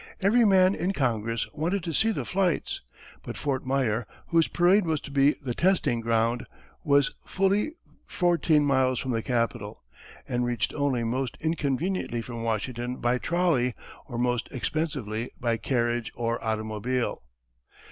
Every man in Congress wanted to see the flights. But Fort Myer, whose parade was to be the testing ground, was fully fourteen miles from the Capitol, and reached only most inconveniently from Washington by trolley, or most expensively by carriage or automobile.